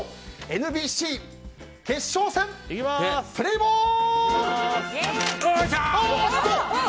ＮＢＣ決勝戦、プレーボール！